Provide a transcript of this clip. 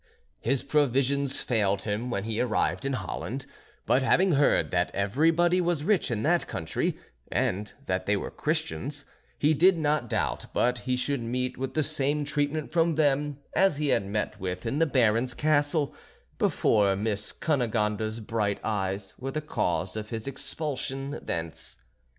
His provisions failed him when he arrived in Holland; but having heard that everybody was rich in that country, and that they were Christians, he did not doubt but he should meet with the same treatment from them as he had met with in the Baron's castle, before Miss Cunegonde's bright eyes were the cause of his expulsion thence.